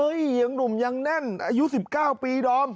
ยังหนุ่มยังแน่นอายุ๑๙ปีดอม